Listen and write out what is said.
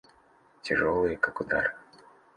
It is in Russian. Тяжелые, как удар.